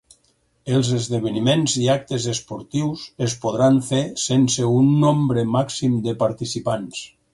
Els esdeveniments i actes esportius es podran fer sense un nombre màxim de participants.